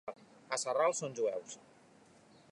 A Sarral són jueus.